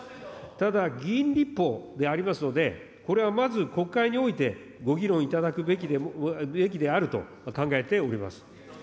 ただ議員立法でありますので、これはまず国会においてご議論いただくべきであると考えております。